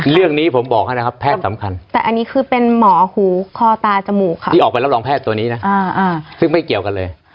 เรื่องนี้ผมบอกให้นะครับแพทย์สำคัญแต่อันนี้คือเป็นหมอหูคอตาจมูกค่ะที่ออกไปรับรองแพทย์ตัวนี้นะซึ่งไม่เกี่ยวกันเลย